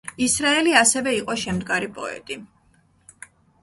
ისრაელი ასევე იყო შემდგარი პოეტი.